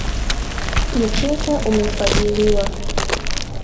Mkeka umefagiliwa